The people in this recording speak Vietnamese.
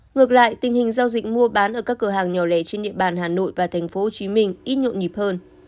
ngược lại tình hình giao dịch mua bán ở các cửa hàng nhỏ lẻ trên địa bàn hà nội và tp hcm ít nhộn nhịp hơn